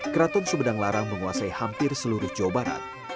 keraton sumedang larang menguasai hampir seluruh jawa barat